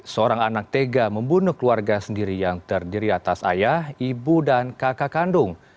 seorang anak tega membunuh keluarga sendiri yang terdiri atas ayah ibu dan kakak kandung